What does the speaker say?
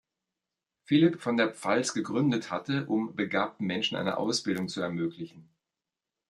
Philipp von der Pfalz gegründet hatte, um begabten Menschen eine Ausbildung zu ermöglichen.